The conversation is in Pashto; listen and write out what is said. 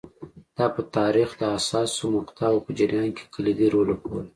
دا په تاریخ د حساسو مقطعو په جریان کې کلیدي رول لوبولی